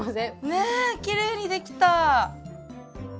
ねっきれいにできた。